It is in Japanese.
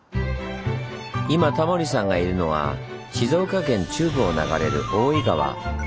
今タモリさんがいるのは静岡県中部を流れる大井川。